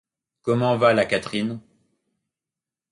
Comment va la Catherine ?